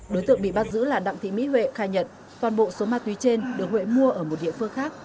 đối tượng bị bắt giữ là đặng thị mỹ huệ khai nhận toàn bộ số ma túy trên được huệ mua ở một địa phương khác